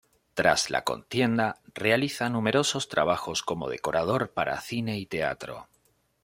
Tras la contienda, realiza numerosos trabajos como decorador para cine y teatro.